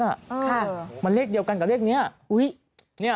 ค่ะมันเลขเดียวกันกับเลขเนี้ยอุ้ยเนี่ย